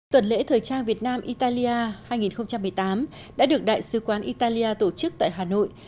tuần lễ thời trang việt nam italia hai nghìn một mươi tám đã được đại sứ quán italia tổ chức tại hà nội